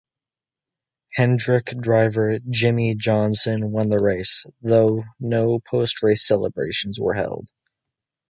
Hendrick driver Jimmie Johnson won the race, though no post-race celebrations were held.